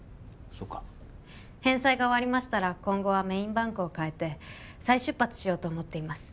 そうか返済が終わりましたら今後はメインバンクを替えて再出発しようと思っています